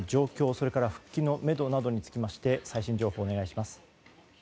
それから復帰のめどなどについて最新情報お願いします。